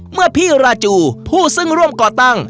เมื่อพี่ราจูผู้ซึ่งร่วมก่อตั้ง